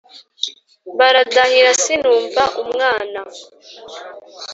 baradahira sinumva umwana